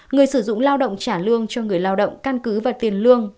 người sử dụng lao động trả lương cho người lao động căn cứ và tiền lương